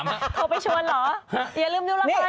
โทรไปชวนเหรออย่าลืมดูละครนะ